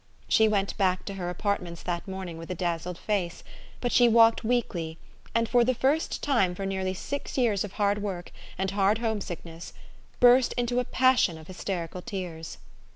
She went back to her apartments that morning with a dazzled face ; but she walked weakly, and for the first time for nearly six } T ears of hard work and hard homesickness, burst into a passion of hys 68 THE STORY OF AVIS. terical tears.